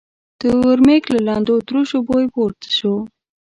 د ورمېږ له لندو تروشو بوی پورته شو.